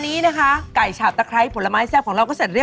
นี่จากรายการนี้เท่านั้นเลยเนี่ย